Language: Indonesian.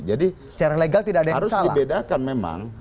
jadi harus dibedakan memang